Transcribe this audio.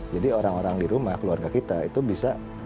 jadi orang orang di rumah keluarga kita itu bisa